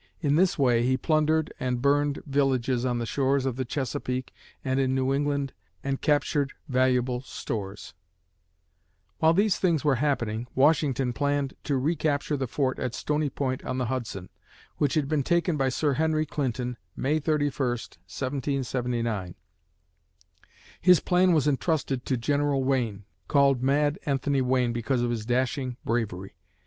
In this way he plundered and burned villages on the shores of the Chesapeake and in New England and captured valuable stores. [Illustration: "Mad Anthony" Wayne] While these things were happening, Washington planned to recapture the fort at Stony Point on the Hudson, which had been taken by Sir Henry Clinton, May 31, 1779. His plan was entrusted to General Wayne, called "Mad Anthony" Wayne because of his dashing bravery.